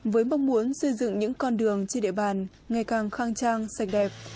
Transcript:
với mong muốn xây dựng những con đường trên địa bàn ngày càng khang trang sạch đẹp